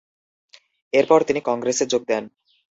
এরপর তিনি কংগ্রেসে যোগ দেন।